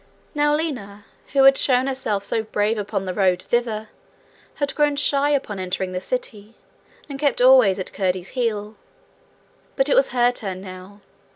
Now Lina, who had shown herself so brave upon the road thither, had grown shy upon entering the city, and kept always at Curdie's heel. But it was her turn now.